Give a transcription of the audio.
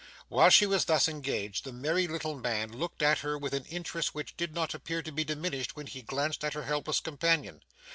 While she was thus engaged, the merry little man looked at her with an interest which did not appear to be diminished when he glanced at her helpless companion.